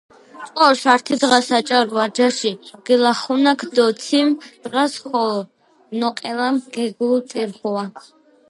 ჭყორს ართი დღას აჭარუა ჯაში გილახუნაქ დო თიმ დღას ხოლო ნოყელაქ გეგლუტირხუა.